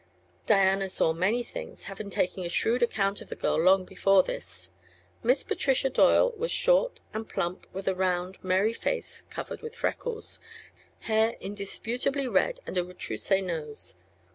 Diana saw many things, having taken a shrewd account of the girl long before this. Miss Patricia Doyle was short and plump, with a round, merry face covered with freckles, hair indisputably red and a retroussé nose.